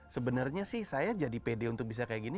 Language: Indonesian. sebenarnya sih saya jadi pede untuk bisa seperti ini